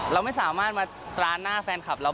เราไม่สามารถมาตราหน้าแฟนคลับเรา